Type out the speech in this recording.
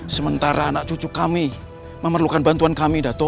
sementara anak cucu kami memerlukan bantuan kami